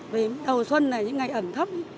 vì đầu xuân này những ngày ẩm thấp